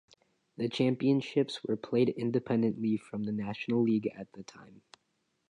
The championships were played independently from the national league at the time.